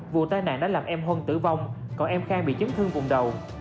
vụ tai nạn đã làm em huân tử vong còn em khang bị chấn thương vùng đầu